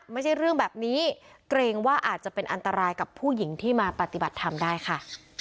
ไม่ใช่เรื่องแบบนี้เกรงว่าอาจจะเป็นอันตรายกับผู้หญิงที่มาปฏิบัติธรรมได้ค่ะ